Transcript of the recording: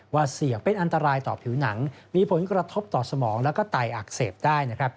เสี่ยงเป็นอันตรายต่อผิวหนังมีผลกระทบต่อสมองแล้วก็ไตอักเสบได้